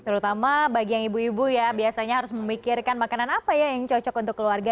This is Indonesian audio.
terutama bagi yang ibu ibu ya biasanya harus memikirkan makanan apa ya yang cocok untuk keluarga